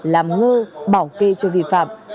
làm ngơ bảo kê cho vi phạm